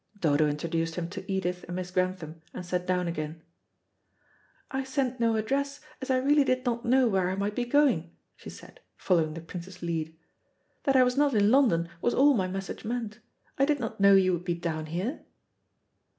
Dodo introduced him to Edith and Miss Grantham, and sat down again. "I sent no address, as I really did not know where I might be going," she said, following the Prince's lead. "That I was not in London was all my message meant. I did not know you would be down here."